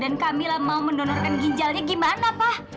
dan kamilah mau mendonorkan ginjalnya gimana pa